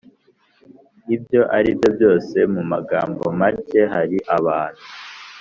ibyo ari byo byose, mu magambo macye, hari abantu